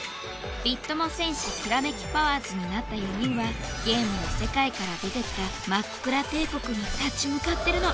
ビッ友×戦士キラメキパワーズになった４人はゲームの世界から出てきたマックラ帝国に立ち向かってるの。